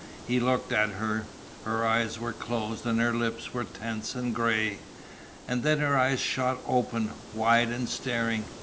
He looked at her. Her eyes were closed, and her lips were tense and gray. And then her eyes shot open wide and staring.